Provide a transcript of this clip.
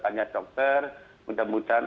tanya dokter mudah mudahan